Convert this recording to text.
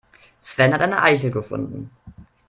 Sven hat eine Eichel gefunden.